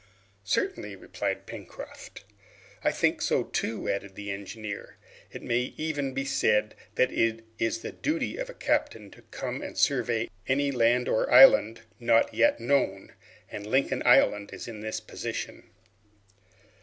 "Certainly," replied Pencroft. "I think so too," added the engineer. "It may even be said that it is the duty of a captain to come and survey any land or island not yet known, and Lincoln Island is in this position."